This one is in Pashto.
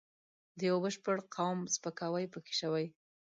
د یوه بشپړ قوم سپکاوی پکې شوی.